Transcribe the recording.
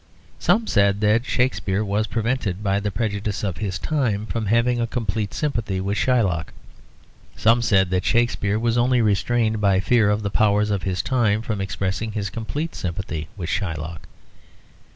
Some said that Shakespeare was prevented by the prejudices of his time from having a complete sympathy with Shylock. Some said that Shakespeare was only restrained by fear of the powers of his time from expressing his complete sympathy with Shylock.